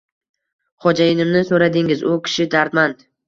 Xo‘jayinimni so‘radingiz, u kishi dardmand